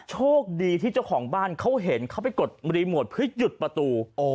โชคดีที่เจ้าของบ้านเขาเห็นเขาไปกดรีโมทเพื่อหยุดประตู